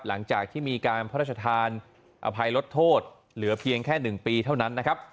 หลังจากที่มีการพระราชทานอภัยลดโทษเหลือเพียงแค่๑ปีเท่านั้นนะครับ